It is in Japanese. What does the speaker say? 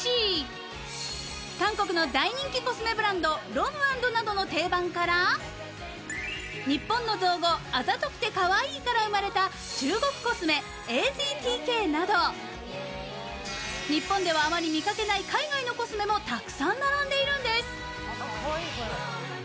韓国の大人気コスメブランド、ｒｏｍ＆ｎｄなどの定番から日本の造語「あざとくてかわいい」から生まれた中国コスメ、ａＺＴＫなど日本ではあまり見かけない海外のコスメもたくさん並んでいるんです。